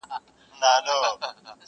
خدای بېشکه مهربان او نګهبان دی؛